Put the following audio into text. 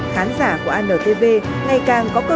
khán giả của antv ngay càng có cơ hội